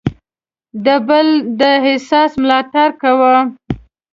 د بل د احساس ملاتړ کوو.